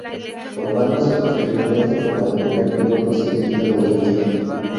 Formándose posteriormente como el primer piloto civil de Bolivia.